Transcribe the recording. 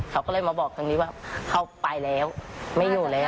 เขาก็เลยมาบอกทางนี้ว่าเขาไปแล้วไม่อยู่แล้ว